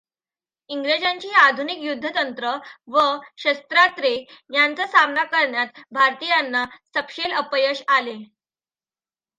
इंग्रजांची आधुनिक युद्धतंत्र व शस्त्रात्रे यांचा सामना करण्यात भारतीयांना सपशेल अपयश आले.